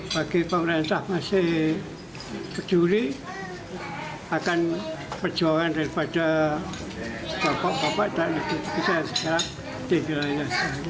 bagi pemerintah masih peduli akan perjuangan daripada bapak bapak dan kita yang sekarang dikelilingi